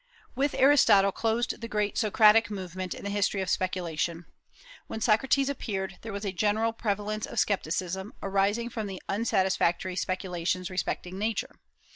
With Aristotle closed the great Socratic movement in the history of speculation. When Socrates appeared there was a general prevalence of scepticism, arising from the unsatisfactory speculations respecting Nature.